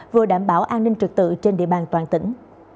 vừa đảm bảo an ninh trực tự trên địa bàn toàn tỉnh